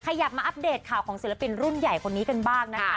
ขยับมาอัปเดตข่าวของศิลปินรุ่นใหญ่คนนี้กันบ้างนะคะ